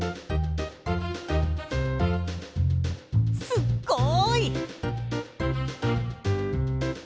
すっごい！